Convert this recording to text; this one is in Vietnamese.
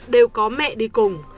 đều có mẹ đi cùng